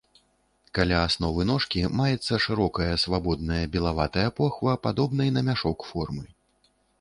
Каля асновы ножкі маецца шырокая, свабодная, белаватая похва падобнай на мяшок формы.